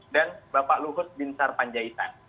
dan bapak luhut pinsar panjaitan